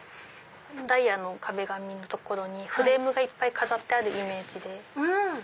ダイヤの壁紙の所にフレームがいっぱい飾ってあるイメージで。